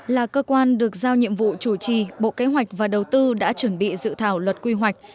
là cơ quan được giao nhiệm vụ chủ trì bộ kế hoạch và đầu tư đã chuẩn bị dự thảo luật quy hoạch